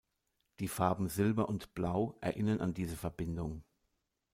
Die Farben Silber und Blau erinnern an diese Verbindung.